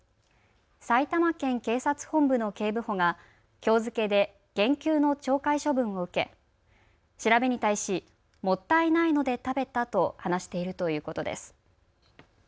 埼玉県警察本部の警部補がきょう付けで減給の懲戒処分を受け調べに対しもったいないので食べたと話しているということです。